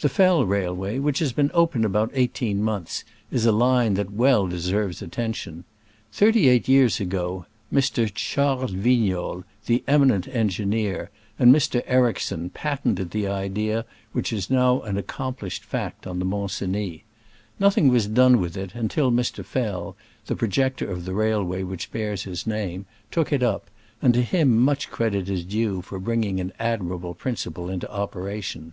The Fell railway, which has been open about eighteen months, is a line that well deserves attention. Thirty eight years ago, Mr. Charles VignoUes, the eminent engineer, and Mr. Ericsson, patented the idea which is now an ac complished fact on the Mont Cenis. Nothing was done with it until Mr. Fell, the projector of the railway which bears his name, took it up, and to him much credit is due for bringing an admirable principle into operation.